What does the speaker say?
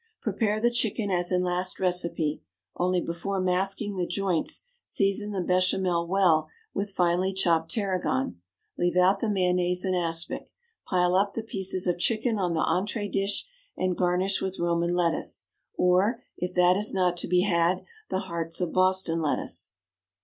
2. Prepare the chicken as in last recipe, only before masking the joints season the béchamel well with finely chopped tarragon; leave out the mayonnaise and aspic. Pile up the pieces of chicken on the entrée dish, and garnish with Roman lettuce, or, if that is not to be had, the hearts of Boston lettuce.